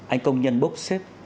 anh công nhân bốc xếp